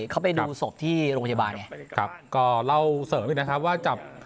เขาไปดูศพที่โรงพยาบาลไงครับก็เล่าเสริมด้วยนะครับว่าจับ